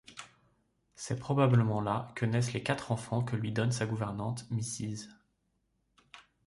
C'est probablement là que naissent les quatre enfants que lui donne sa gouvernante, Mrs.